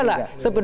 ya biasa lah